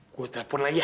gue telepon lagi ya